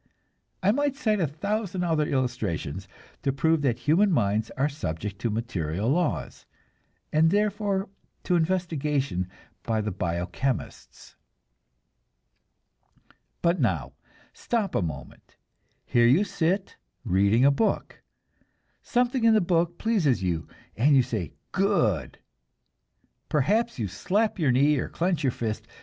I might cite a thousand other illustrations to prove that human minds are subject to material laws, and therefore to investigation by the bio chemists. But now, stop a moment. Here you sit reading a book. Something in the book pleases you, and you say, "Good!" Perhaps you slap your knee or clench your fist.